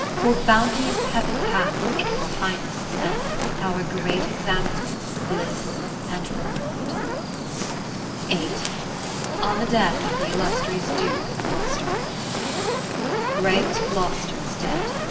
For bounteous Heav'n hath, in your Highness sent Our great example, bliss and orna ment. (5.0 On the Death of the Illus trious Duke of Glouces ter Great Glou'ster's dead!